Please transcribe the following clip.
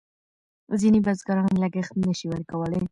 ځینې بزګران لګښت نه شي ورکولای.